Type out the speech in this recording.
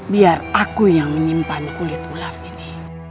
biar aku yang menyimpan kulit ular ini